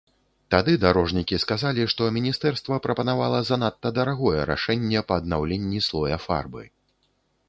Тады дарожнікі сказалі, што міністэрства прапанавала занадта дарагое рашэнне па аднаўленні слоя фарбы.